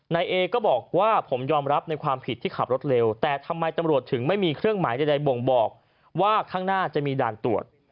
นายเอก็บอกว่าผมยอมรับในความผิดที่ขับรถเร็วแต่ทำไมตำรวจถึงไม่มีเครื่องหมายใดบ่งบอกว่าข้างหน้าจะมีด่านตรวจ